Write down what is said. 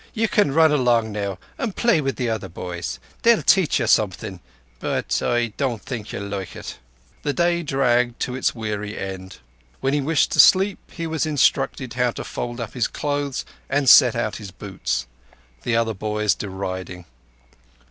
"Ye can run along now and play with the other boys. They'll teach ye something—but I don't think ye'll like it." The day dragged to its weary end. When he wished to sleep he was instructed how to fold up his clothes and set out his boots; the other boys deriding.